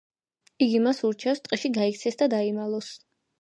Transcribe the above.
იგი მას ურჩევს, ტყეში გაიქცეს და დაიმალოს.